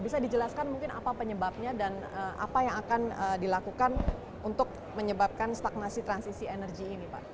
bisa dijelaskan mungkin apa penyebabnya dan apa yang akan dilakukan untuk menyebabkan stagnasi transisi energi ini pak